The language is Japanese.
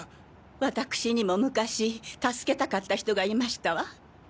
わたくしにも昔助けたかった人がいましたわ。